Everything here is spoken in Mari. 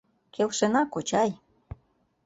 — Келшена, кочай!